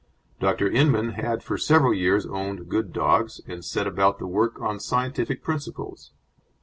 Dr. Inman had for several years owned good dogs, and set about the work on scientific principles.